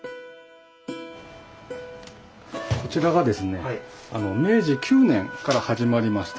こちらがですね明治９年から始まりました